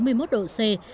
động lượng của pháp